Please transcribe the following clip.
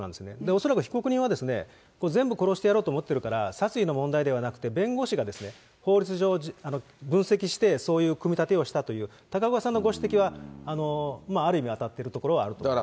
恐らく被告人は、全部殺してやろうと思ってるから、殺意の問題ではなくて、弁護士が法律上分析して、そういう組み立てをしたという、高岡さんのご指摘は、まあ、ある意味、当たってるところはあると思います。